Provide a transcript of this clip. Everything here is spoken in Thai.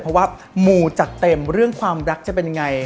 เพราะว่ามูจัดเต็มเรื่องความรักจะเป็นยังไง